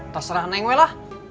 terserah neng wela